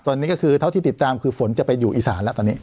ตอนนี้ก็คือเท่าที่ติดตามคือฝนจะไปอยู่อีสานแล้วตอนนี้